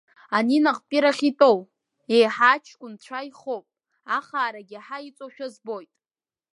Ани наҟтәирахь итәоу, еиҳа аҷкәын цәа ихоуп, ахаарагьы еиҳа иҵоушәа збоит…